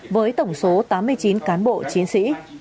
với tổng số tám mươi chín cán bộ chiến sĩ